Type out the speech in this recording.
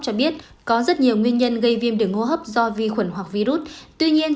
cho biết có rất nhiều nguyên nhân gây viêm đường hô hấp do vi khuẩn hoặc virus tuy nhiên